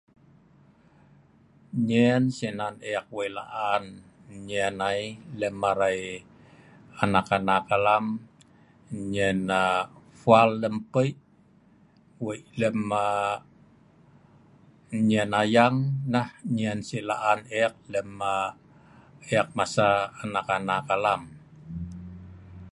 Nyen si'nan eek wei la'an nyen ai lem arai anak-anak alam nyen fal lem pi' wei lem nyen ayeng nah si' laan eek lem masa anak-anak alem.